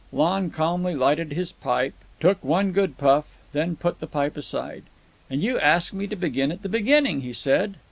Lon calmly lighted his pipe, took one good puff, then put the pipe aside. "And you asked me to begin at the beginning," he said.